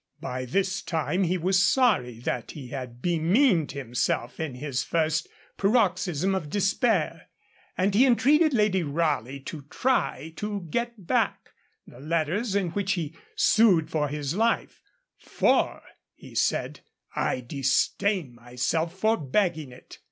By this time he was sorry that he had bemeaned himself in his first paroxysm of despair, and he entreated Lady Raleigh to try to get back the letters in which he sued for his life, 'for,' he said, 'I disdain myself for begging it.'